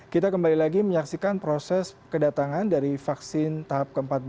kita kembali lagi menyaksikan proses kedatangan dari vaksin tahap ke empat belas